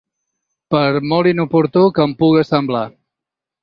Per molt inoportú que em puga semblar.